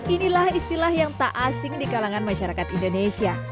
inilah istilah yang tak asing di kalangan masyarakat indonesia